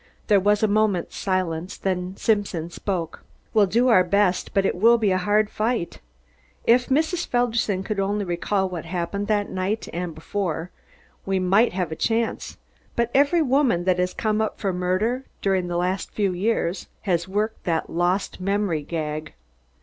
There was a moment's silence, then Simpson spoke. "We'll do our best but it will be a hard fight. If Mrs. Felderson could only recall what happened that night and before, we might have a chance, but every woman that has come up for murder during the last few years, has worked that lost memory gag."